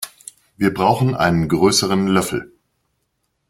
Wir brauchen einen größeren Löffel.